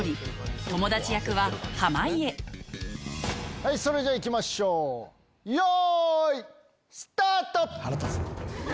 はいそれじゃあいきましょう用意スタート！